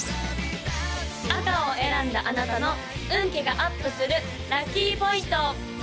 赤を選んだあなたの運気がアップするラッキーポイント！